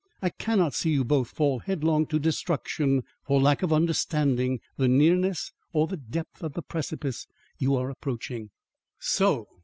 I cannot see you both fall headlong to destruction for lack of understanding the nearness or the depth of the precipice you are approaching." "So!"